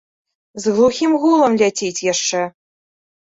З глухім гулам ляціць яшчэ.